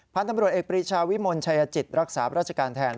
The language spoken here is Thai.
พาทัมรวจเอกบริชาวิมลชายจิตรักษาราชการแทน